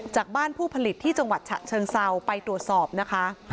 จากบ้านผู้ผลิตที่จังหวัดฉะเชิงเซาไปตรวจสอบนะคะ